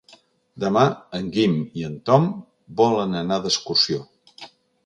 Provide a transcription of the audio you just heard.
Demà en Guim i en Tom volen anar d'excursió.